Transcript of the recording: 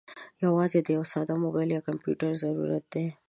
یوازې د یوه ساده موبايل یا کمپیوټر ضرورت دی.